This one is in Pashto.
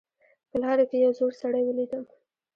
په لاره کې یو زوړ سړی ولیدم